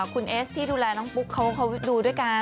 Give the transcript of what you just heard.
คุณเอสที่ดูแลน้องปุ๊กเขาดูด้วยกัน